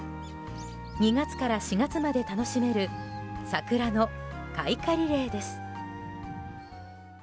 ２月から４月まで楽しめる桜の開花リレーです。